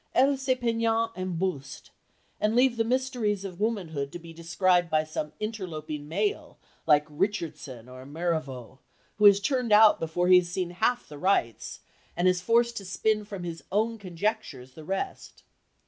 Elles se peignent en buste, and leave the mysteries of womanhood to be described by some interloping male, like Richardson or Marivaux, who is turned out before he has seen half the rites, and is forced to spin from his own conjectures the rest.